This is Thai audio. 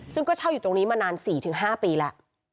ซึ่งก็เช่าอยู่ตรงนี้มานานสี่ถึงห้าปีละ